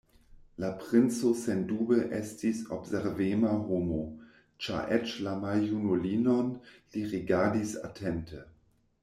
La princo sendube estis observema homo, ĉar eĉ la maljunulinon li rigardis atente.